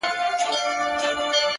نو زه له تاسره؛